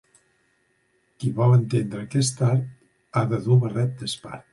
Qui vol entendre aquest art, ha de dur barret d'espart.